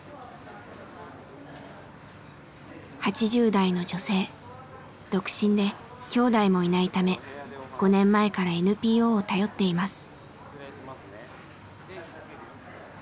８０代の女性独身で兄弟もいないため５年前からＮＰＯを頼っています。